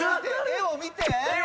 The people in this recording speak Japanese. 絵を見て！